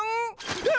うわ！